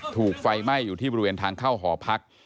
ถูกไฟไหม้อยู่ที่บริเวณทางเข้าหอพัก